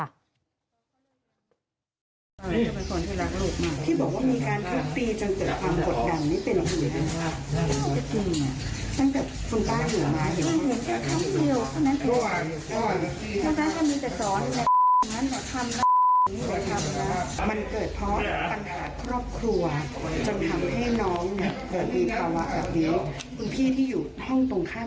เอ่อทีนี้ไปดูทางด้านของอีกคนนึงบ้างค่ะคุณผู้ชมค่ะ